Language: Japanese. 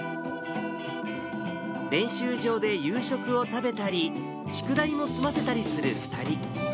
練習場で夕食を食べたり、宿題を済ませたりする２人。